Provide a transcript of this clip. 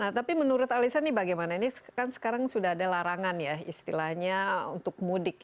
nah tapi menurut alisa ini bagaimana ini kan sekarang sudah ada larangan ya istilahnya untuk mudik